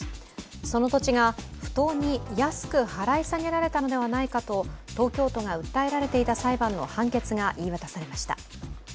その土地が不当に安く払い下げられたのではないかと東京都が訴えられていた裁判の判決が言い渡されました。